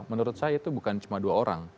menurut saya itu bukan cuma dua orang